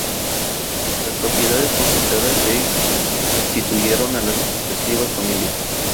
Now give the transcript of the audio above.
Las propiedades confiscadas se restituyeron a las respectivas familias.